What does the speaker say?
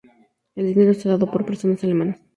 El dinero está dado por personas alemanas.